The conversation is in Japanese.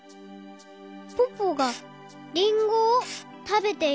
ポポがりんごをたべている。